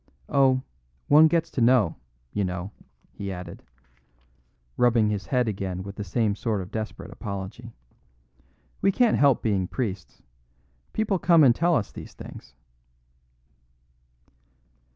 Oh, one gets to know, you know," he added, rubbing his head again with the same sort of desperate apology. "We can't help being priests. People come and tell us these things."